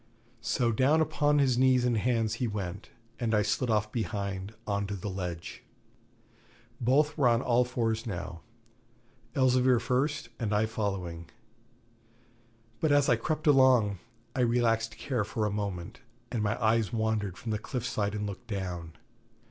So down upon his knees and hands he went, and I slid off behind, on to the ledge. Both were on all fours now; Elzevir first and I following. But as I crept along, I relaxed care for a moment, and my eyes wandered from the cliff side and looked down.